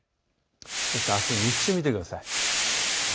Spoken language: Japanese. そしてあすの日中を見てください。